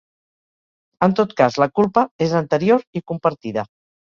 En tot cas la culpa és anterior i compartida.